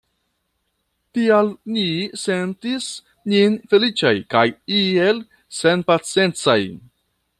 Tial ni sentis nin feliĉaj kaj iel senpaciencaj.